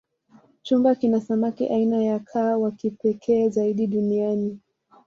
chumbe kuna samaki aina ya kaa wakipekee zaidi duniani